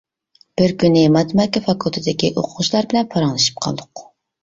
بىر كۈنى ماتېماتىكا فاكۇلتېتىدىكى ئوقۇغۇچىلار بىلەن پاراڭلىشىپ قالدۇق.